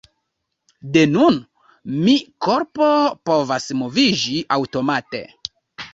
De nun, mia korpo povas moviĝi aŭtomate.